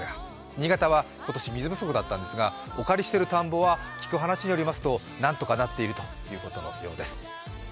新潟は今年、水不足だったんですがお借りしている田んぼは聞く話によりますとなんとかなっているということのようです。